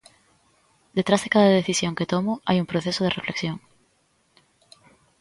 Detrás de cada decisión que tomo hai un proceso de reflexión.